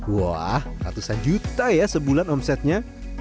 wah ratusan juta ya sebulan omsetnya